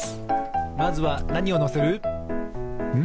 まずはなにをのせる？